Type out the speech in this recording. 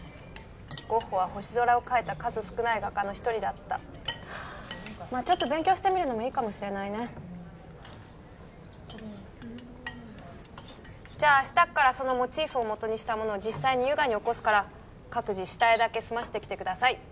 ゴッホは星空を描いた数少ない画家の一人だったまあちょっと勉強してみるのもいいかもしれないねじゃあ明日っからそのモチーフを元にしたものを実際に油画に起こすから各自下絵だけ済ませてきてください